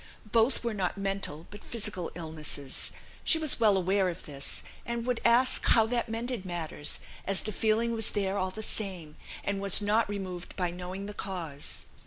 Both were not mental but physical illnesses. She was well aware of this, and would ask how that mended matters, as the feeling was there all the same, and was not removed by knowing the cause.